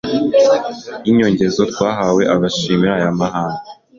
y’inyongezo twahawe. Abishimira aya mahame